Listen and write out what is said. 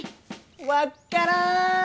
分っからん！